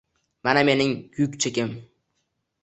Mana mening yuk chekim.